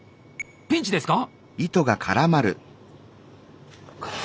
ピンチですか？